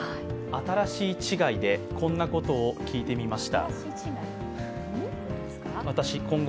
新しい違いで、こんなことを聞いてみました。